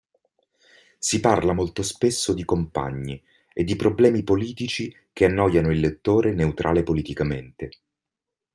Si parla molto spesso di compagni e di problemi politici che annoiano il lettore neutrale politicamente.